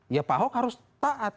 ya pak ahok harus taat